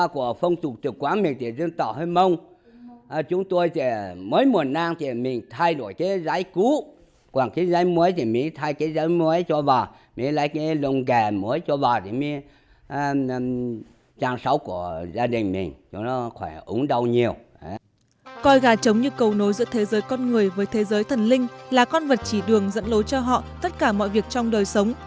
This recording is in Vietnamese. coi gà trống như cầu nối giữa thế giới con người với thế giới thần linh là con vật chỉ đường dẫn lối cho họ tất cả mọi việc trong đời sống